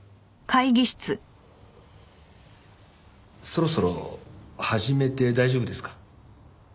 そろそろ始めて大丈夫ですか？